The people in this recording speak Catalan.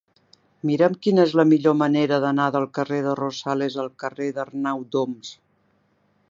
Mira'm quina és la millor manera d'anar del carrer de Rosales al carrer d'Arnau d'Oms.